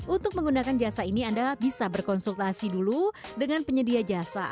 untuk menggunakan jasa ini anda bisa berkonsultasi dulu dengan penyedia jasa